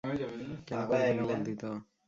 কেন করবি না বলতি তো?